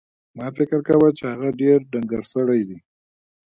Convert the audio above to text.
ما فکر کاوه چې هغه ډېر ډنګر سړی دی.